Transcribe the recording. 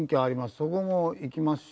そこも行きますし。